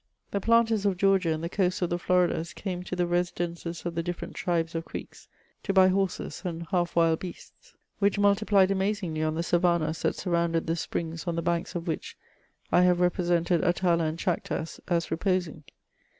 The planters of Georgia and the coasts of the Floridas came to the residences of the different tribes of Creeks to buy horses and half wild beasts, which multi plied amazingly on the savannahs that surrounded the springs on the banks of which I have represented Atala And Chactos as reposing.